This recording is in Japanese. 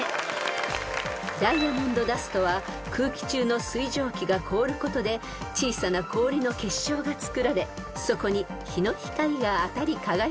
［ダイヤモンドダストは空気中の水蒸気が凍ることで小さな氷の結晶がつくられそこに日の光が当たり輝く現象］